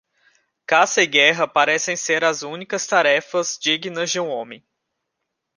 Caça e guerra parecem ser as únicas tarefas dignas de um homem.